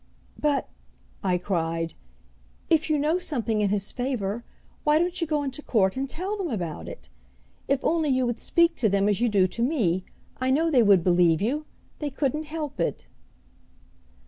"But," I cried, "if you know something in his favor why don't you go into court and tell them about it? If only you would speak to them as you do to me, I know they would believe you! They couldn't help it!"